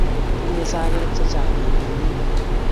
Tinye sagek chechang' ketit ni oo